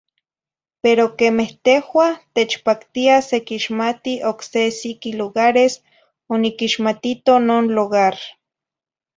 Pero quemeh tehuah techpactia sequixmati oc se siqui lugares, oniquixmatito non lugar.